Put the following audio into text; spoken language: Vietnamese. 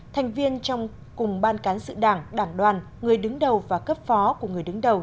thành viên trong cùng ban cán sự đảng đảng đoàn người đứng đầu và cấp phó của người đứng đầu